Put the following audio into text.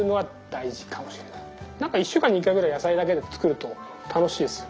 なんか１週間に１回ぐらい野菜だけで作ると楽しいですよ。